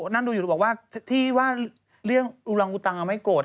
นั่งดูอยู่บอกว่าที่ว่าเรื่องอุรังอุตังไม่โกรธ